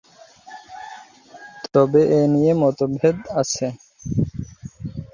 তবে এ নিয়ে মতভেদ আছে।